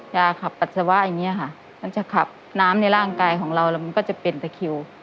ยาขับปัสสาวะอย่างนี้ค่ะมันจะขับน้ำในร่างกายของเราแล้วมันก็จะเป็นตะคิว